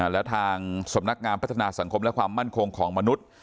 แล้วทางสำนักงานพัฒนาสังคมและความมั่นคงของมนุษย์